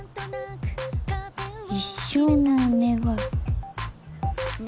「一生のお願い」